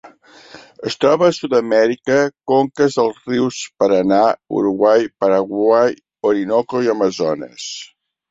Es troba a Sud-amèrica: conques dels rius Paranà, Uruguai, Paraguai, Orinoco i Amazones.